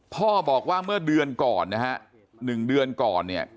พ่อบอกว่าเมื่อเดือนก่อนนะฮะ๑เดือนก่อนเนี่ย